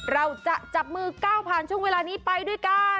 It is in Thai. เราจะจับมือก้าวผ่านช่วงเวลานี้ไปด้วยกัน